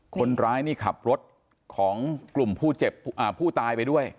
คนร้ายนี่ขับรถของกลุ่มผู้ตายไปด้วย